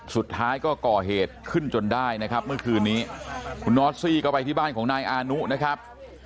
สุดท้ายก็ก่อเหตุขึ้นจนได้นะครับเมื่อคืนนี้คุณนอสซี่ก็ไปที่บ้านของนายอานุนะครับ